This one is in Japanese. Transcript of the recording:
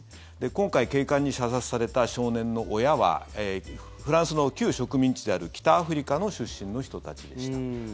今回、警官に射殺された少年の親はフランスの旧植民地である北アフリカ出身の人たちでした。